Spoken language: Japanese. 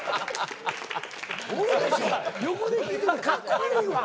横で聞いててかっこ悪いわ！